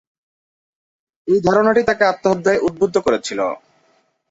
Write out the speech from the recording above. এই ধারণাটি তাকে আত্মহত্যায় উদ্বুদ্ধ করেছিল।